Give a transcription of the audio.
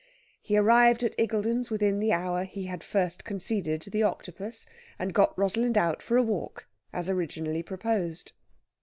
He arrived at Iggulden's within the hour he had first conceded to the Octopus, and got Rosalind out for a walk, as originally proposed.